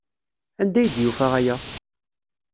Anda ay d-yufa aya?